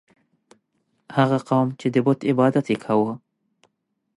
هغه قوم چې د بت عبادت یې کاوه.